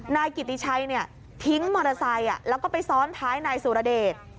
นายกิติชัยทิ้งมอเตอร์ไซค์แล้วก็ไปซ้อนท้ายนายสุรเดช